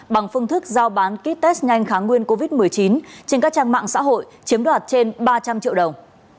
bằng phương thức giao bán ký test nhanh kháng nguyên covid một mươi chín trên các trang mạng xã hội chiếm đoạt trên ba trăm linh triệu đồng